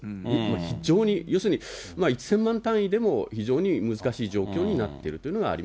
非常に、要するに、１０００万単位でも非常に難しい状況になっているというのがあり